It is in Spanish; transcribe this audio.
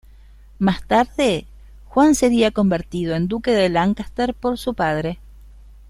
Más tarde, Juan sería convertido en Duque de Lancaster por su padre.